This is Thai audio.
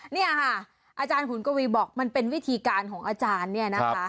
เนี่ยค่ะอาจารย์ขุนกวีบอกมันเป็นวิธีการของอาจารย์เนี่ยนะคะ